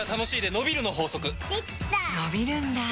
のびるんだ